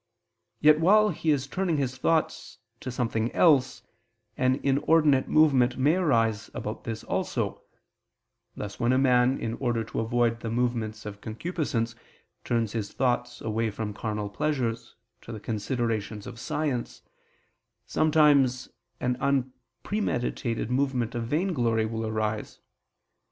Yet while he is turning his thoughts to something else, an inordinate movement may arise about this also: thus when a man, in order to avoid the movements of concupiscence, turns his thoughts away from carnal pleasures, to the considerations of science, sometimes an unpremeditated movement of vainglory will arise.